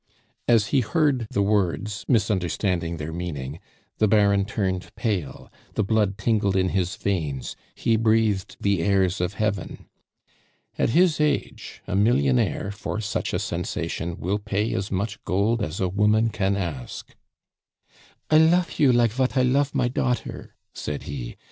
As he heard the words, misunderstanding their meaning, the Baron turned pale, the blood tingled in his veins, he breathed the airs of heaven. At his age a millionaire, for such a sensation, will pay as much gold as a woman can ask. "I lofe you like vat I lofe my daughter," said he.